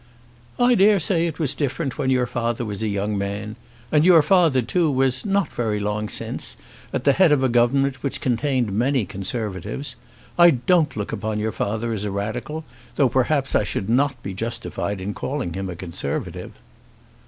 "I dare say it was different when your father was a young man. And your father, too, was, not very long since, at the head of a government which contained many Conservatives. I don't look upon your father as a Radical, though perhaps I should not be justified in calling him a Conservative."